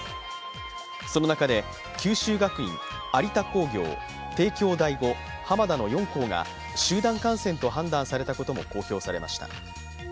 その中で九州学院、有田工業、帝京第五、浜田の４校が集団感染と判断されたことも公表されました。